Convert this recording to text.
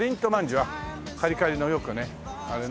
あっカリカリのよくねあれ。